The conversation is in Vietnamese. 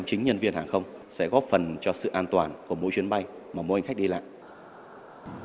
chính nhân viên hàng không sẽ góp phần cho sự an toàn của mỗi chuyến bay mà mỗi hành khách đi lại